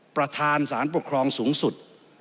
ประธานสารปกครองสูงสุด